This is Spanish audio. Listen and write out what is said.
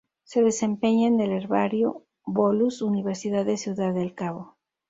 Se desempeña en el Herbario Bolus, Universidad de Ciudad del Cabo.